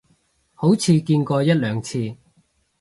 好似見過一兩次